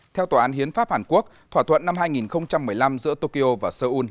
theo tòa án hiến pháp hàn quốc thỏa thuận năm hai nghìn một mươi năm giữa tokyo và seoul